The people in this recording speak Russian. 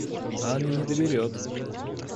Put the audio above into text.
Ан и не доберет.